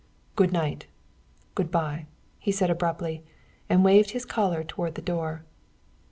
"Good night; good by!" he said abruptly, and waved his caller toward the door.